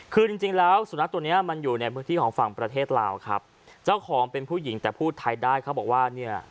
คือจริงจริงแล้วสุนัขตัวเนี้ยมันอยู่ในพื้นที่ของฝั่งประเทศลาวครับเจ้าของเป็นผู้หญิงแต่พูดไทยได้เขาบอกว่าเนี่ย